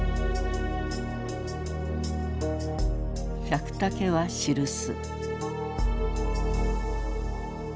百武は記す。